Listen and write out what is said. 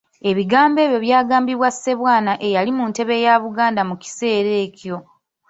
Ebigambo ebyo byagambibwa Ssebwana eyali mu ntebe ya Buganda mu kiseera ekyo.